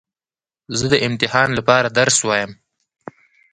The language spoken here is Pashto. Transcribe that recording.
زه د امتحان له پاره درس وایم.